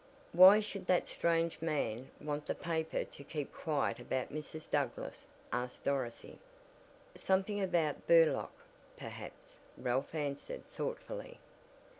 "Why should that strange man want the paper to keep quiet about Mrs. Douglass?" asked Dorothy. "Something about Burlock, perhaps," Ralph answered, thoughtfully.